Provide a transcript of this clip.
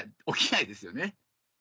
起きないですよね。